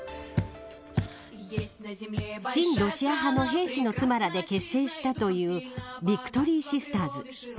親ロシア派の兵士の妻らで結成したというビクトリーシスターズ。